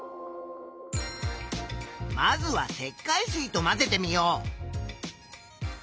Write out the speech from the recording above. まずは石灰水と混ぜてみよう。